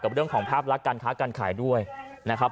เรื่องของภาพลักษณ์การค้าการขายด้วยนะครับ